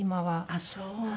ああそう。